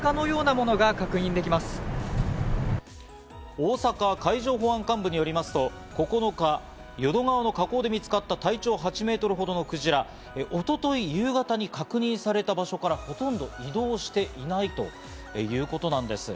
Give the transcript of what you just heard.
大阪海上保安監部によりますと、９日、淀川の河口で見つかった体長８メートルほどのクジラは一昨日夕方に確認された場所からほとんど移動していないということなんです。